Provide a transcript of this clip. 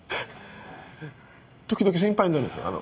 時々心配になるんですよ。